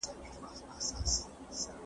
د جلات خان ناره په کوم ځای کي وه؟